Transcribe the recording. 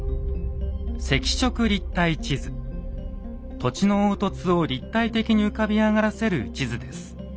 土地の凹凸を立体的に浮かび上がらせる地図です。